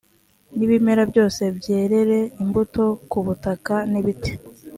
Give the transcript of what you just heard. n ibimera byose byerere imbuto ku butaka n ibiti